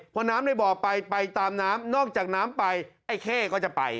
พอน้ำในบ่อไปไปตามน้ำนอกจากน้ำไปไอ้เข้ก็จะไป